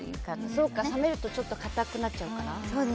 そうか、冷めるとちょっと固くなっちゃうから。